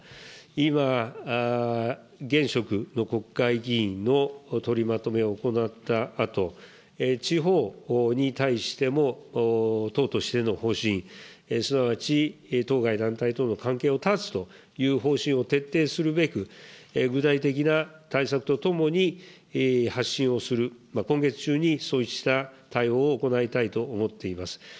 今、現職の国会議員の取りまとめを行ったあと、地方に対しても党としての方針、すなわち当該団体との関係を断つという方針を徹底するべく、具体的な対策とともに発信をする、今月中にそうした対応を行いたいと思っています。